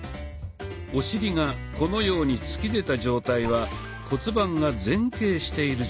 お尻がこのように突き出た状態は骨盤が前傾している状態。